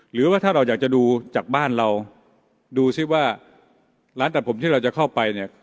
หรือว่าถ้าเราอยากจะดูจากบ้านเราดูซิว่าร้านตัดผมที่เราจะเข้าไปเนี่ย